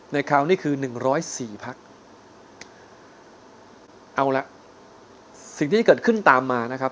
ในคราวนี้คือ๑๐๔พักเอาละสิ่งที่จะเกิดขึ้นตามมานะครับ